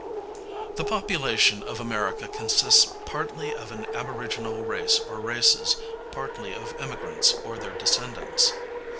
The population of America consists partly of an aboriginal race or races, partly of immigrants or their descendants.